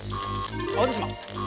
淡路島！